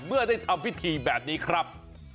เมื่อได้ทำพิธีแบบนี้ครับ